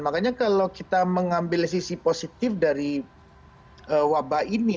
makanya kalau kita mengambil sisi positif dari wabah ini